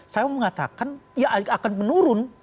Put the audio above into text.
saya mengatakan ya akan menurun